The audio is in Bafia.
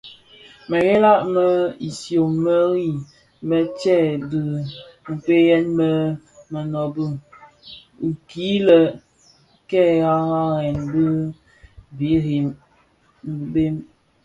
Meghela mě zi idyom meri teesèn dhikpegmen yè menőbökin kè ghaghalen birimbi bhëñ,